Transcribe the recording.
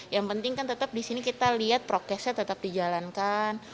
yang penting kan tetap di sini kita lihat prokesnya tetap dijalankan